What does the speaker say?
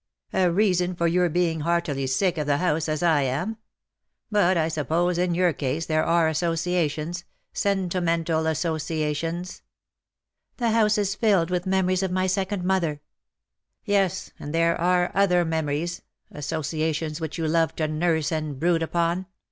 "A reason for your being heartily sick of the house — as I am. But I suppose in your case there are associations — sentimental associations." " The house is filled with memories of my second mother V^ " Yes — and there are other memories — associa tions which you love to nurse and brood upon.